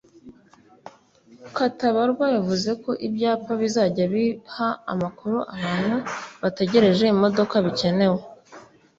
Katabarwa yavuze ko ibyapa bizajya biha amakuru abantu bategereje imodoka bikenewe